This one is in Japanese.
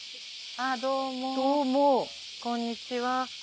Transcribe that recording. どうもこんにちは。